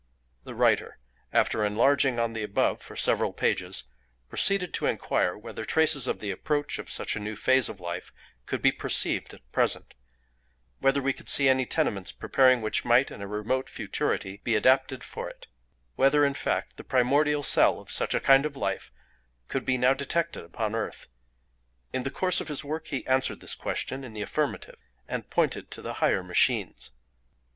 The writer, after enlarging on the above for several pages, proceeded to inquire whether traces of the approach of such a new phase of life could be perceived at present; whether we could see any tenements preparing which might in a remote futurity be adapted for it; whether, in fact, the primordial cell of such a kind of life could be now detected upon earth. In the course of his work he answered this question in the affirmative and pointed to the higher machines.